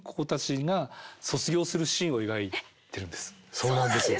そうなんですか？